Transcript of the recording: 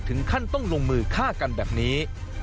ถึงขั้นต้องลงมือฆ่ากันแบบนี้